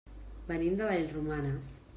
Venim de Vallromanes.